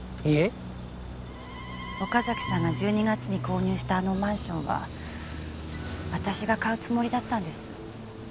岡崎さんが１２月に購入したあのマンションは私が買うつもりだったんです。